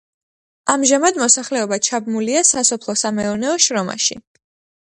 ამჟამად მოსახლეობა ჩაბმულია სასოფლო-სამეურნეო შრომაში.